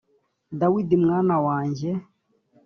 dawidi mwana wanjye